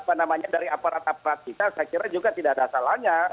apa namanya dari aparat aparat kita saya kira juga tidak ada salahnya